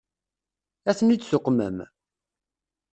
Ad ten-id-tuqmem?